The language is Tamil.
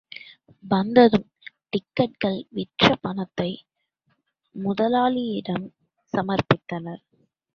வந்ததும், டிக்கட்டுக்கள் விற்ற பணத்தை முதலாளியிடம் சமர்ப்பித்தான்.